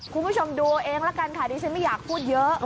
คุณผู้ชมดูเอาเองละกันค่ะดิฉันไม่อยากพูดเยอะ